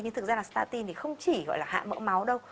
nhưng thực ra là statin thì không chỉ gọi là hạ mẫu máu đâu